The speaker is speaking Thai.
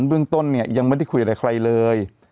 เบื้องต้นเนี่ยยังไม่ได้คุยอะไรใครเลย